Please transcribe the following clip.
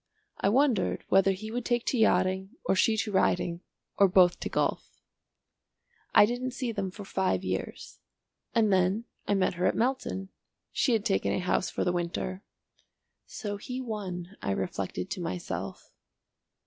I wondered whether he would take to yachting or she to riding or both to golf. I didn't see them for five years. And then, I met her at Melton. She had taken a house for the winter. "So he won," I reflected to myself.